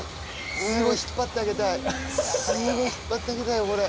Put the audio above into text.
すごい引っ張ってあげたいすごい引っ張ってあげたいこれ。